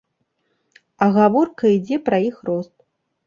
А гаворка ідзе пра іх рост!